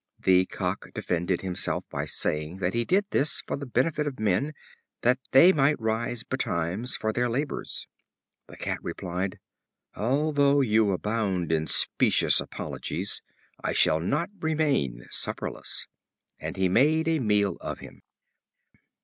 The Cock defended himself by saying that he did this for the benefit of men, that they might rise betimes, for their labors. The Cat replied: "Although you abound in specious apologies, I shall not remain supperless;" and he made a meal of him.